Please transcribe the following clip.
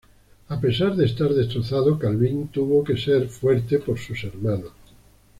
A pesar de estar destrozado, Calvin tuvo que ser fuerte por sus hermanos.